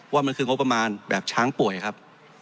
ว่ามันคืองบประมาณแบบช้างป่วยครับ